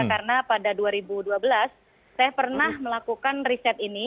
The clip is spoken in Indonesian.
karena pada dua ribu dua belas saya pernah melakukan riset ini